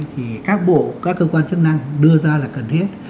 thì các bộ các cơ quan chức năng đưa ra là cần thiết